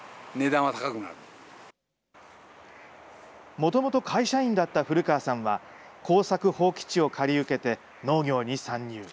もともと会社員だった古川さんは、耕作放棄地を借り受けて、農業に参入。